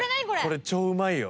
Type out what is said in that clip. これ超うまいよ。